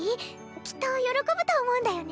きっと喜ぶと思うんだよね。